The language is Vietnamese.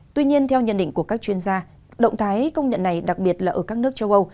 tuy nhiên theo nhận định của các chuyên gia động thái công nhận này đặc biệt là ở các nước châu âu